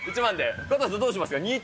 加藤さん、どうしますか。